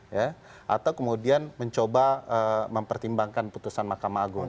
ya atau kemudian mencoba mempertimbangkan putusan mahkamah agung